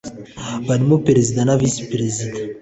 Barimo perezida na visi perezida